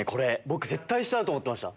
僕絶対下だと思ってました。